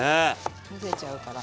むせちゃうから。